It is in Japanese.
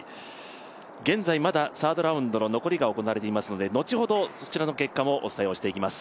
現在まだサードラウンドの残りが行われておりますので後ほどそちらの結果もお伝えしていきます。